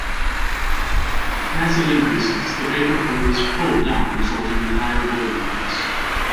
As it increases, the vapor curve is "pulled" down, resulting in higher boiling points.